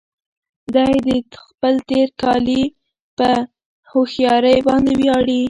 دی د خپل تېرکالي په هوښيارۍ باندې ویاړي.